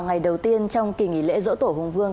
ngày đầu tiên trong kỳ nghỉ lễ dỗ tổ hùng vương